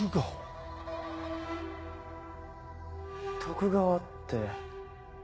徳川って。